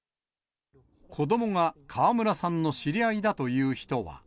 子どもが川村さんの知り合いだという人は。